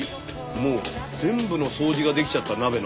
もう全部の掃除ができちゃった鍋の。